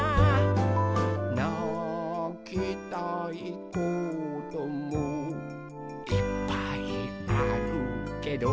「なきたいこともいっぱいあるけど」